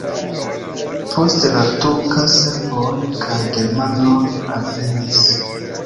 Post la turka serboj kaj germanoj alvenis.